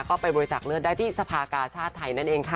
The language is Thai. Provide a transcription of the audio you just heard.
ก็ไปบริจาคเลือดได้ที่สภากาชาติไทยนั่นเองค่ะ